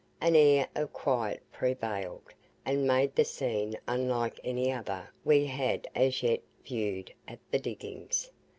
An air of quiet prevailed, and made the scene unlike any other we had as yet viewed at the diggings.